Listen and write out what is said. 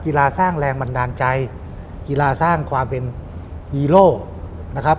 กีฬาสร้างแรงบันดาลใจกีฬาสร้างความเป็นฮีโร่นะครับ